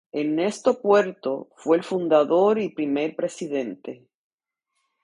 Ernesto Puerto, fue el fundador y primer presidente.